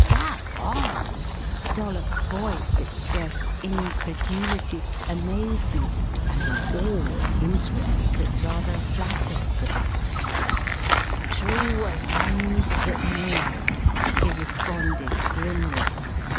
"Go on!" Dollops' voice expressed incredulity, amazement, and an awed interest that rather flattered the butler. "True as I'm sittin' 'ere!" he responded grimly.